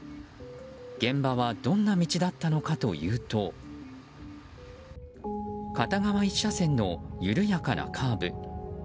現場はどんな道だったのかというと片側１車線の緩やかなカーブ。